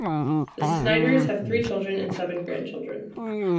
The Snyders have three children and seven grandchildren.